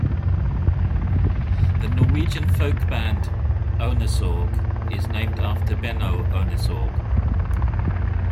The Norwegian folk band Ohnesorg is named after Benno Ohnesorg.